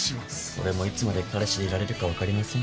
俺もいつまで彼氏でいられるか分かりません。